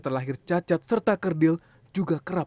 mereka saja bayi bayi di penjara